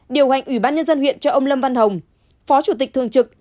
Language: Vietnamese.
điều hành ủy ban nhân dân huyện cho ông lâm văn hồng phó chủ tịch thường trực